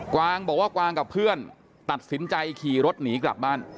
วางบอกว่ากวางกับเพื่อนตัดสินใจขี่รถหนีกลับบ้าน